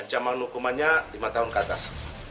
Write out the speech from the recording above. ancaman hukumannya lima tahun ke atas